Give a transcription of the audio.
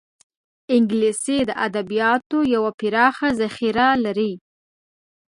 انګلیسي د ادبیاتو یوه پراخه ذخیره لري